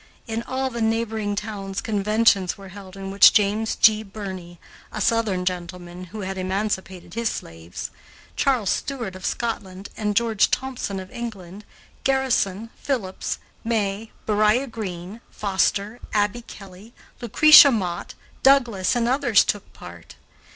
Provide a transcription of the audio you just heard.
In all the neighboring towns conventions were held in which James G. Birney, a Southern gentleman who had emancipated his slaves, Charles Stuart of Scotland, and George Thompson of England, Garrison, Phillips, May, Beriah Greene, Foster, Abby Kelly, Lucretia Mott, Douglass, and others took part.